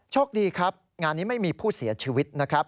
โชคดีครับงานนี้ไม่มีผู้เสียชีวิตนะครับ